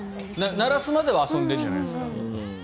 鳴らすまでは遊んでるんじゃないですか。